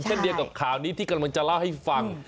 เช่นเดียวกับข่าวนี้ที่กำลังจะเล่าให้ฟัง